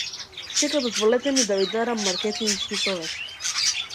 Сега дозволете ми да ви дадам маркетиншки совет.